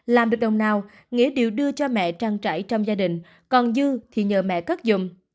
làm được đồng nào nghĩa đều đưa cho mẹ trang trải trong gia đình còn dư thì nhờ mẹ cất dùng